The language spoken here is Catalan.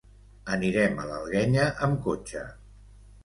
Anirem a l'Alguenya amb cotxe.